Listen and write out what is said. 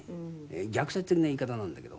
逆説的な言い方なんだけど。